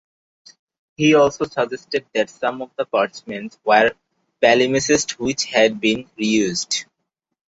He also suggested that some of the parchments were palimpsests which had been reused.